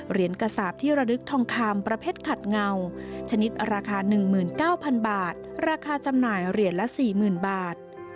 กระสาปที่ระลึกทองคำประเภทขัดเงาชนิดราคา๑๙๐๐บาทราคาจำหน่ายเหรียญละ๔๐๐๐บาท